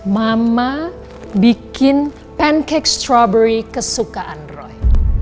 mama bikin pancake strovery kesukaan roy